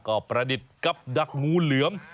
ก็ประดิษฐ์กับดักงูเหลือม